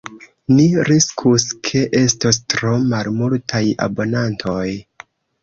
Ni riskus ke estos tro malmultaj abonantoj.